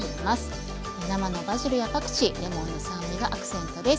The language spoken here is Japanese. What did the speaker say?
生のバジルやパクチーレモンの酸味がアクセントです。